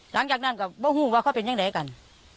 ทางจากนั้นหวกินว่าเขาเป็นอย่างไรกัน